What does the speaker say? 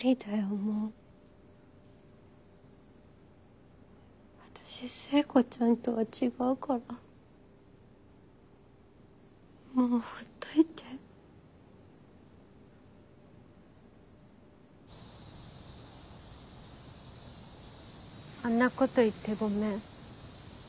もう私聖子ちゃんとは違うからもうほっといてあんなこと言ってごめん。